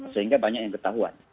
sehingga banyak yang ketahuan